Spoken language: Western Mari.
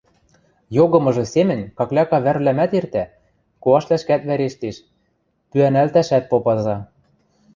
Йогымыжы семӹнь какляка вӓрвлӓмӓт эртӓ, коашвлӓшкӓт вӓрештеш, пӱӓнӓлтӓшӓт попаза.